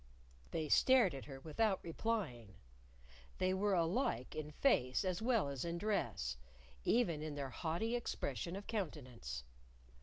They stared at her without replying. They were alike in face as well as in dress; even in their haughty expression of countenance.